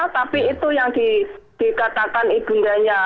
tapi itu yang dikatakan ibundanya